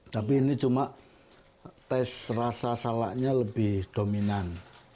tapi ini cuma tes rasa salaknya lebih dominan